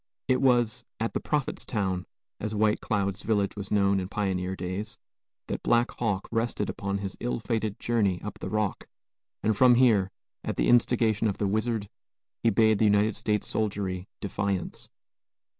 It was at "the prophet's town," as White Cloud's village was known in pioneer days, that Black Hawk rested upon his ill fated journey up the Rock, and from here, at the instigation of the wizard, he bade the United States soldiery defiance.